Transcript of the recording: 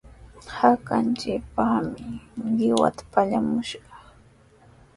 Hakanchikpaqmi qiwata pallamushqaa.